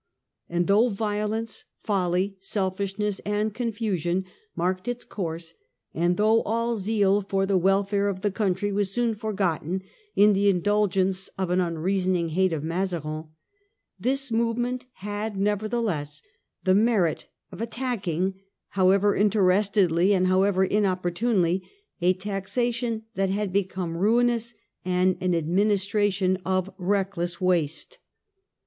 And though violence, folly, selfishness, and confusion marked its course, and though all zeal for the welfare of the country was soon forgotten in the indulgence of an unreasoning hate of Mazarin, this movement had never theless the merit of attacking, however interestedly and however inopportunely, a taxation that had become ruinous, and an administration of reckless wastg. 32 The Parliamentary Fronde.